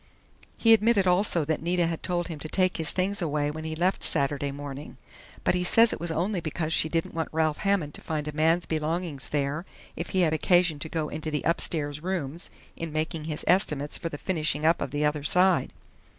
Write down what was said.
"He admitted also that Nita had told him to take his things away when he left Saturday morning, but he says it was only because she didn't want Ralph Hammond to find a man's belongings there if he had occasion to go into the upstairs rooms in making his estimates for the finishing up of the other side.